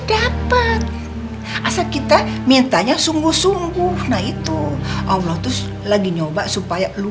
dapat asal kita mintanya sungguh sungguh nah itu allah tuh lagi nyoba supaya lu